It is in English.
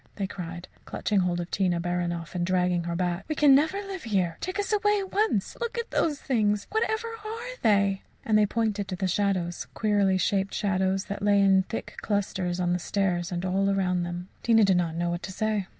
they cried, clutching hold of Tina Baranoff and dragging her back, "we can never live here. Take us away at once. Look at those things. Whatever are they?" And they pointed to the shadows queerly shaped shadows that lay in thick clusters on the stairs and all around them. Tina did not know what to say.